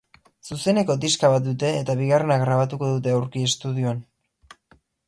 Zuzeneko diska bat dute eta bigarrena grabatuko dute, aurki, estudioan.